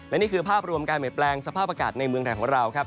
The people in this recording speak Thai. และนี่คือภาพรวมการเปลี่ยนแปลงสภาพอากาศในเมืองไทยของเราครับ